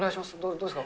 どうですか？